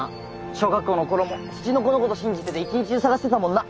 小学校の頃もツチノコのこと信じてて一日中探してたもんな。